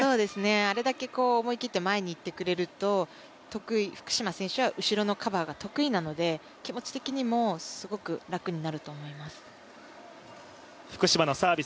あれだけ思い切って前にいってくれると福島選手は後ろのカバーが得意なので気持ち的にも、すごく楽になると思います。